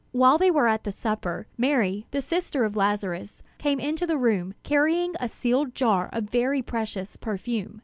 While they were at the supper, Mary, the sister of Lazarus, came into the room, carrying a sealed jar of very precious perfume.